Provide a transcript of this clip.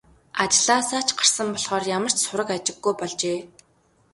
Ажлаасаа ч гарсан болохоор ямар ч сураг ажиггүй болжээ.